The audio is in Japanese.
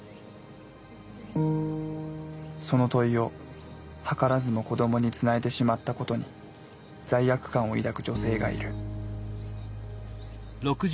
その問いをはからずも子どもにつないでしまったことに罪悪感を抱く女性がいる。